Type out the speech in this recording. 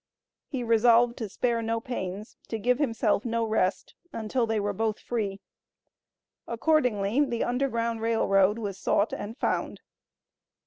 He resolved to spare no pains, to give himself no rest until they were both free. Accordingly the Underground Rail Road was sought and found.